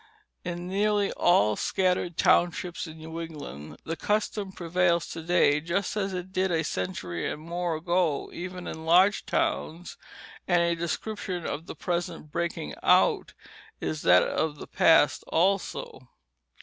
In nearly all scattered townships in New England the custom prevails to day just as it did a century and more ago even in large towns, and a description of the present "breaking out" is that of the past also.